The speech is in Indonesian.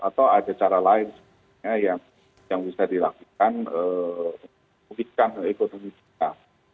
atau ada cara lain yang bisa dilakukan untuk memutihkan ekonomi kita